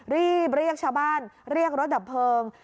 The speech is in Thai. รีบเรียกชาวบ้านเรียกรถดับเพลิง